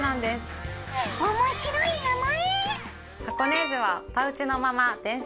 面白い名前！